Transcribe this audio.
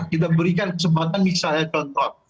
kita berikan kesempatan misalnya contoh